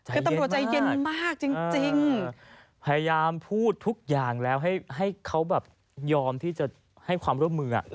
คือตำรวจใจเย็นมากจริงพยายามพูดทุกอย่างแล้วให้เขาแบบยอมที่จะให้ความร่วมมือ